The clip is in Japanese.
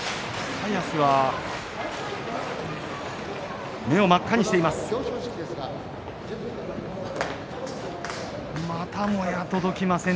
高安は目を真っ赤にしています。